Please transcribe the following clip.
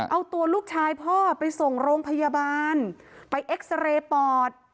เอาตัวลูกชายพ่อไปส่งโรงพยาบาลไปเอ็กซาเรย์ปอด